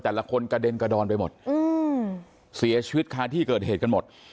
แต่ละคนกระเด็นกระดอนไปหมดอืมเสียชีวิตคาที่เกิดเหตุกันหมด